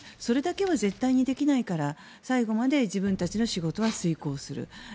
それだけは絶対にできないから最後まで自分たちの仕事は遂行する。